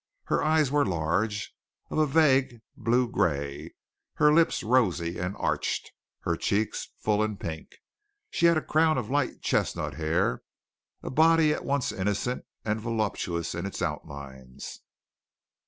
Her eyes were large, of a vague blue gray, her lips rosy and arched; her cheeks full and pink. She had a crown of light chestnut hair, a body at once innocent and voluptuous in its outlines.